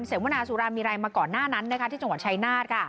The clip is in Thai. เสวนาสุรามีอะไรมาก่อนหน้านั้นที่จังหวัดชายนาฏ